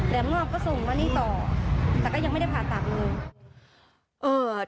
มอบก็ส่งมานี่ต่อแต่ก็ยังไม่ได้ผ่าตัดเลย